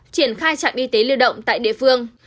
triển khai trạm y tế lưu động tại địa phương